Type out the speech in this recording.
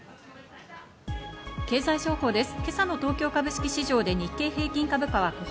経済情報です。